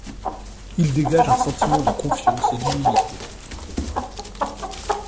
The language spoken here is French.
Il dégage un sentiment de confiance et d’humilité.